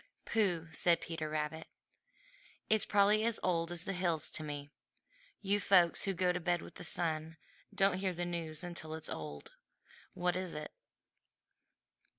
"Pooh!" said Peter Rabbit, "it's probably as old as the hills to me. You folks who go to bed with the sun don't hear the news until it's old. What is it?"